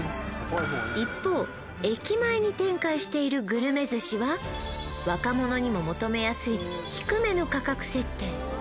一方駅前に展開しているぐるめ寿司は若者にも求めやすい低めの価格設定